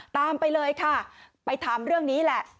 ไปเลยค่ะไปถามเรื่องนี้แหละ